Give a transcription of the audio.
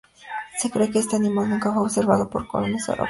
Se cree que este animal nunca fue observado por los colonos europeos.